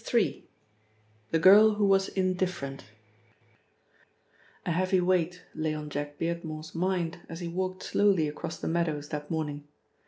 — THE GIRL WHO WAS INDIFFERENT A HEAVY weight lay on Jack Beardmore's mind as he walked slowly across the meadows that morning.